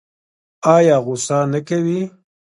ایا غوسه نه کوي؟